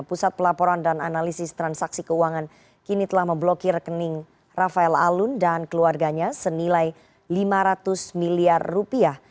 pusat pelaporan dan analisis transaksi keuangan kini telah memblokir rekening rafael alun dan keluarganya senilai lima ratus miliar rupiah